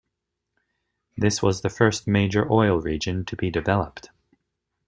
This was the first major oil region to be developed.